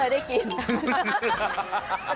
ไม่เคยได้กิน